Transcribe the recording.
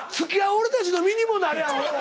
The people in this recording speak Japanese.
俺たちの身にもなれや！